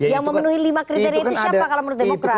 yang memenuhi lima kriteria itu siapa kalau menurut demokrat